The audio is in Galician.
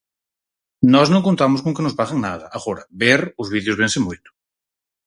Nós non contamos con que nos paguen nada, agora, ver os vídeos vense moito.